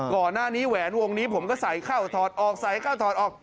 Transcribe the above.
ก่อนหน้านี้แหวนวงนี้ผมก็ใส่เข้าถอดออก